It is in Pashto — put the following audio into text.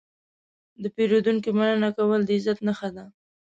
د پیرودونکي مننه کول د عزت نښه ده.